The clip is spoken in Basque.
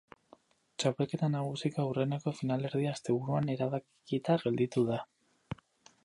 Txapelketa nagusiko aurreneko finalerdia asteburuan erabakita gelditu da.